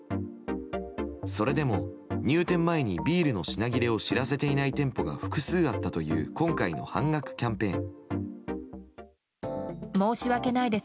それでも入店前にビールの品切れを知らせていない店舗が複数あったという今回の半額キャンペーン。